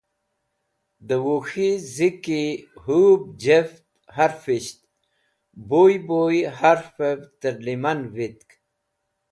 Dẽ Wuk̃hi ziki hũb jũft harfish, buy buy harfẽv tẽrlẽman vitk.